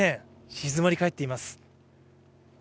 静まりかえっています。